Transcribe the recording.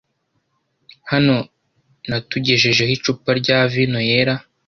Hano, natugejejeho icupa rya vino yera.